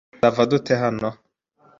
Tuzava dute hano?